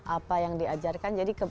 apa yang diajarkan jadi